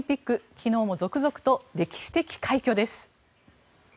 昨日も続々と歴史的快挙です。